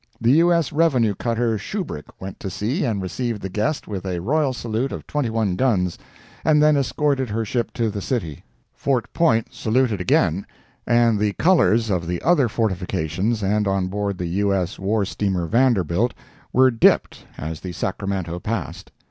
The U. S. Revenue cutter Shubrick went to sea and received the guest with a royal salute of 21 guns, and then escorted her ship to the city; Fort Point saluted again, and the colors of the other fortifications and on board the U. S. war steamer Vanderbilt were dipped as the Sacramento passed.